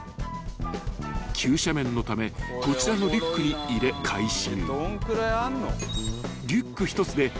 ［急斜面のためこちらのリュックに入れ回収］